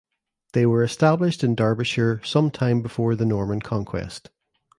They were established in Derbyshire some time before the Norman conquest.